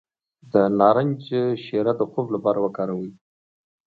د نارنج شیره د خوب لپاره وکاروئ